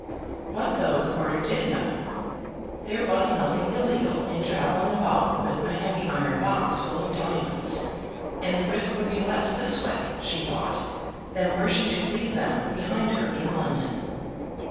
What though the porter did know! There was nothing illegal in travelling about with a heavy iron box full of diamonds, and the risk would be less this way, she thought, than were she to leave them behind her in London.